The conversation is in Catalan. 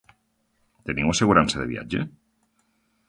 Teniu assegurança de viatge?